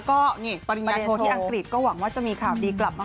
ตอนยังโคทิอังกฤษก็หวังว่าจะมีคราวดีกลับมา